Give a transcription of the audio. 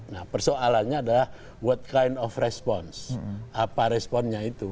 nah persoalannya adalah what kind of response apa responnya itu